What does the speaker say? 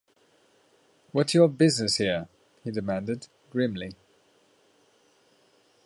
‘What’s your business here?’ he demanded, grimly.